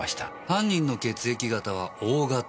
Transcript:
犯人の血液型はＯ型。